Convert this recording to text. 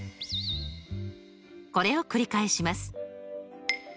これを繰り返します。